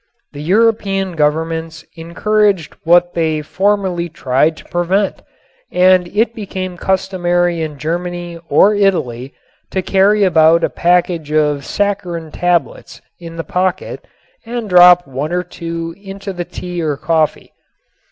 The European governments encouraged what they formerly tried to prevent, and it became customary in Germany or Italy to carry about a package of saccharin tablets in the pocket and drop one or two into the tea or coffee.